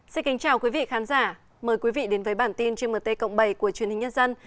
xin kính chào quý vị khán giả mời quý vị đến với bản tin gmt cộng bảy của truyền hình nhân dân